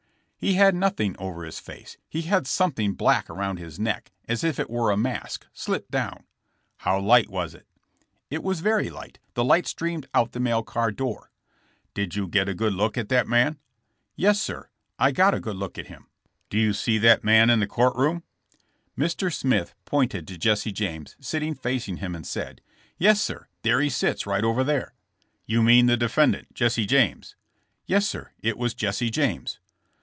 He had nothing over his face. He had some thing black around his neck, as if it were a mask, slipped down." *'How light was it?" It was very light. The light streamed out the mail car door." Did you get a good look at that man!" Yes, sir ; I got a good look at him. '' Do you see that man in the court room?" Mr. Smith pointed to Jesse James, sitting fac ing him and said : *'Yes, sir; there he sits right over there," You mean the defendant, Jesse James?"* Yes, sir; it was Jesse James."